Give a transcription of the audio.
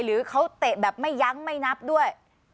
หรือเขาเตะแบบไม่ยั้งไม่นับด้วย